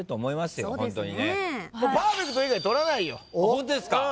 ホントですか？